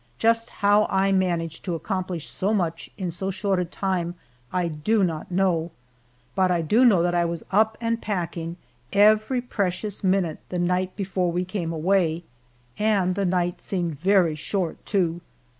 Just how I managed to accomplish so much in so short a time I do not know, but I do know that I was up and packing every precious minute the night before we came away, and the night seemed very short too.